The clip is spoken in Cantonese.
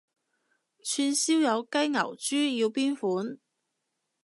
串燒有雞牛豬要邊款？